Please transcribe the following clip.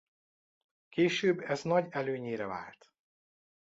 Később ez nagy előnyére vált.